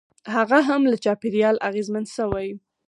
هغه هم له چاپېریال اغېزمن شوی.